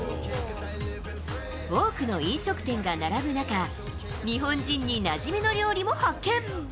多くの飲食店が並ぶ中、日本人になじみの料理も発見。